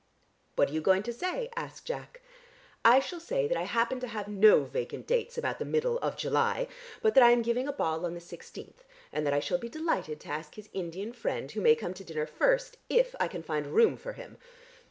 "What are you going to say?" asked Jack. "I shall say that I happen to have no vacant dates about the middle of July, but that I am giving a ball on the sixteenth and that I shall be delighted to ask his Indian friend, who may come to dinner first if I can find room for him.